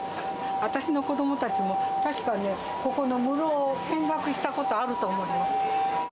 私の子どもたちも確かね、ここの室を見学したことあると思います。